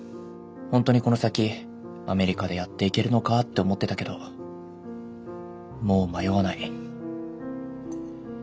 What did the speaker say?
本当にこの先アメリカでやっていけるのかって思ってたけどもう迷わない。